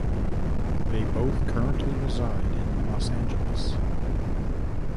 They both currently reside in Los Angeles.